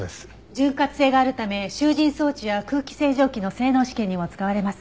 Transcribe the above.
潤滑性があるため集じん装置や空気清浄機の性能試験にも使われます。